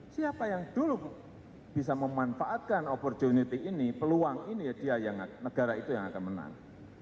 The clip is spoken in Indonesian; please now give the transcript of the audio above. siapa yang dulu bisa memanfaatkan opportunity ini peluang ini ya dia yang negara itu yang akan menang